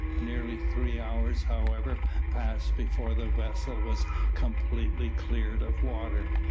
Nearly three hours, however, passed before the vessel was completely cleared of water.